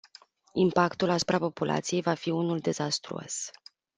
Impactul asupra populației va fi unul dezastruos.